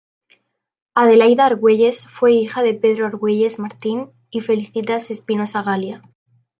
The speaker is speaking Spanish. Adelaida Argüelles fue hija de Pedro Argüelles Martín y Felicitas Espinosa Galia.